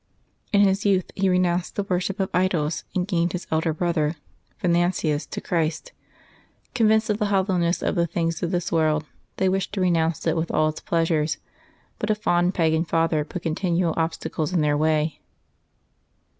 In his youth he renounced the worship of idols, and gained his elder brother, Venantius, to Christ. Convinced of the hollowness of the things of this world, they wished to renounce it with all its pleasures, but a fond pagan father put continual obstacles in their way.